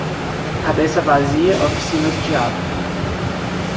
Cabeça vazia, oficina do diabo.